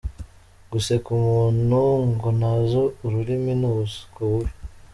Guseka umuntu ngo ntazi ururimi ni ubuswa bubi.